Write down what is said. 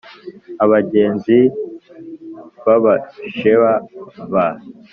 Abagenzi b Abasheba b